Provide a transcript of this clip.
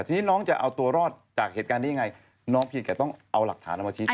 ทีนี้น้องจะเอาตัวรอดจากเหตุการณ์นี้ยังไงน้องเพียงแต่ต้องเอาหลักฐานเอามาชี้แจง